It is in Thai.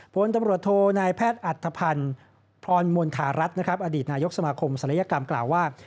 ผลตำรวจโทนายแพทย์อัตภพันธ์พรมณฑารัฐนะครับอดีตนายกสมาคมศัลยกรรมกล่าวว่า